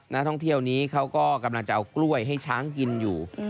นักท่องเที่ยวนี้เขาก็กำลังจะเอากล้วยให้ช้างกินอยู่